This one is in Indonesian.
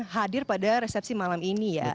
hadir pada resepsi malam ini ya